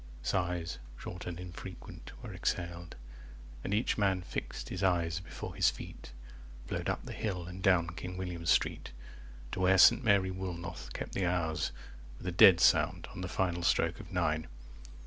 Sighs, short and infrequent, were exhaled, And each man fixed his eyes before his feet. 65 Flowed up the hill and down King William Street, To where Saint Mary Woolnoth kept the hours With a dead sound on the final stroke of nine.